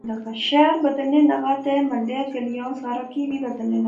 شہر بدھنے لغا تہ محلے گلیاں سارا کی وی بدھنے لغا